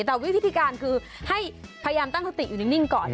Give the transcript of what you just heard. แต่วิธีการคือให้พยายามตั้งสติอยู่นิ่งก่อน